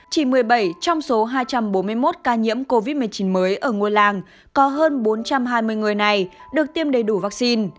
chỉ một mươi bảy trong số hai trăm bốn mươi một ca nhiễm covid một mươi chín mới ở ngôi làng có hơn bốn trăm hai mươi người này được tiêm đầy đủ vaccine